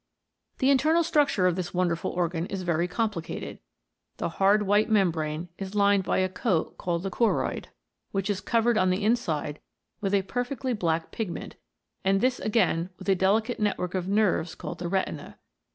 The internal structure of this wonderful organ is very complicated. The hard white membrane is lined by a coat called the clwroid, which is covered on the inside with a perfectly black pigment, and this again with a delicate network of nerves called the retina.